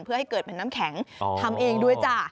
เพื่อให้เกิดเป็นน้ำแข็งทำเองด้วยจ้ะ